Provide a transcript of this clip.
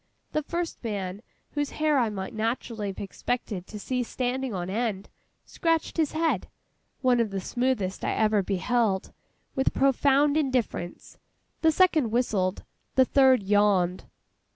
The first man, whose hair I might naturally have expected to see standing on end, scratched his head—one of the smoothest I ever beheld—with profound indifference. The second whistled. The third yawned.